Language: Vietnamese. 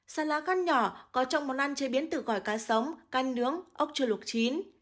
xà lá căn nhỏ có trong món ăn chế biến từ gỏi cá sống căn nướng ốc chưa luộc chín